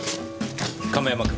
亀山君！